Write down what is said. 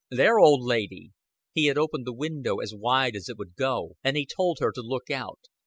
"There, old lady." He had opened the window as wide as it would go, and he told her to look out.